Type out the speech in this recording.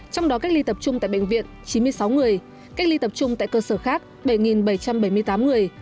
trong đó cách ly tập trung tại bệnh viện chín mươi sáu người cách ly tập trung tại cơ sở khác bảy bảy trăm bảy mươi tám người